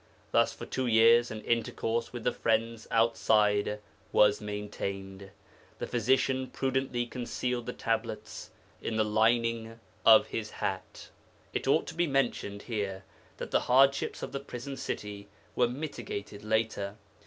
Thus for two years an intercourse with the friends outside was maintained; the physician prudently concealed the tablets in the lining of his hat! It ought to be mentioned here that the hardships of the prison city were mitigated later.